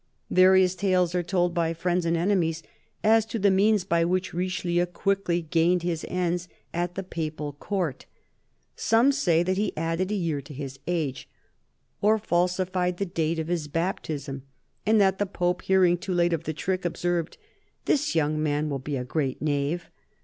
Various tales are told, by friends and enemies, as to the means by which Richelieu quickly gained his ends at the Papal Court. Some say that he added a year to his age, or falsified the date of his baptism, and that the Pope, hearing too late of the trick, observed, "This young man will be a great knave."